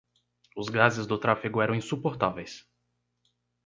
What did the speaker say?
Os gases do tráfego eram insuportáveis.